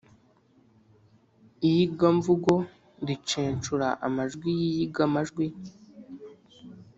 Iyigamvugo ricenshura amajwi y’iyigamajwi,